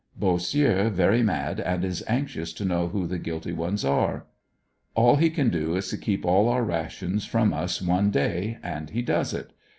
Bossieux very mad and is anxious to know who the guilty ones are. All he can do is to keep all our rations from us one day, and he does it.